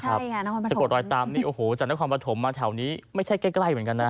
ใกล้เหมือนกันนะ